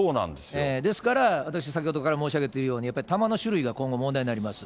ですから、私、先ほどから申し上げてるように、やっぱり弾の種類が、今後、問題になります。